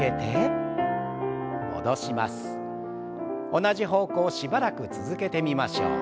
同じ方向しばらく続けてみましょう。